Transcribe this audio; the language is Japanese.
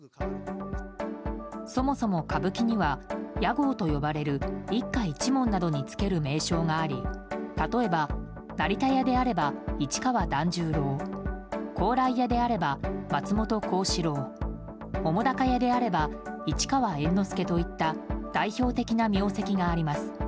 そもそも歌舞伎には屋号と呼ばれる一家一門などにつける名称があり例えば、成田屋であれば市川團十郎高麗屋であれば松本幸四郎澤瀉屋であれば猿之助といった代表的な名跡があります。